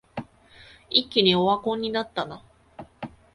一気にオワコンになったな